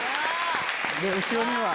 後ろには。